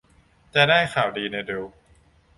จะได้ข่าวดีในเร็ว